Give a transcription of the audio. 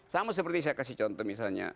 sama seperti saya kasih contoh misalnya